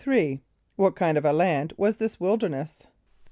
= What kind of a land was this wilderness?